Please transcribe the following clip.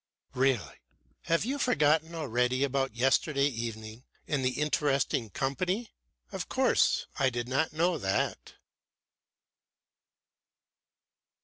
"Really, have you forgotten already about yesterday evening and the interesting company? Of course I did not know that."